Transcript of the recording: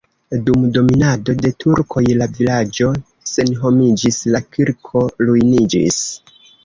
Dum dominado de turkoj la vilaĝo senhomiĝis, la kirko ruiniĝis.